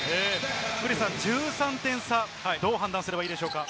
クリスさん、１３点差、どう判断すればいいですか？